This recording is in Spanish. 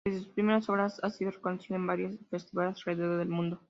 Desde sus primeras obras, ha sido reconocido en varios festivales alrededor del mundo.